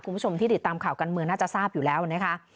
คุณผู้ชมที่ติดตามข่าวการเมืองน่าจะทราบอยู่แล้วนะคะ